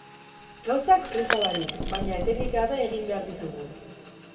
Gauzak presa barik, baina etenik gabe egin behar ditugu.